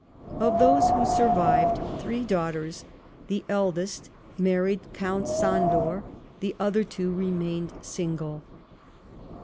Of those w^ho survived, three daughters, the eldest married Count Sandor ; the other two remained single.